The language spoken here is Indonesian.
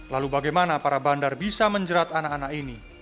lalu bagaimana para bandar bisa menjerat anak anak ini